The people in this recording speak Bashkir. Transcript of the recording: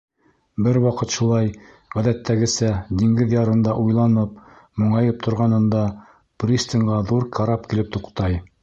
Бер ваҡыт шулай, ғәҙәттәгесә, диңгеҙ ярында уйланып, моңайып торғанында, пристангә ҙур карап килеп туҡтай.